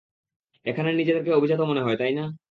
এখানে নিজেদেরকে অভিজাত মনে হয়, তাই না?